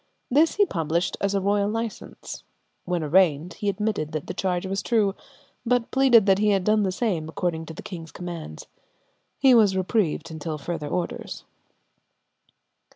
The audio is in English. This he published as a royal license. When arraigned he admitted that the charge was true, but pleaded that he had done the same according to the king's commands. He was reprieved until further orders.